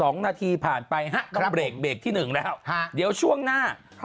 ๒๒นาทีผ่านไปต้องเบรกที่๑แล้วเดี๋ยวช่วงหน้า